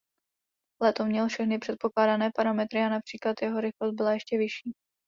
Letoun měl všechny předpokládané parametry a například jeho rychlost byla ještě vyšší.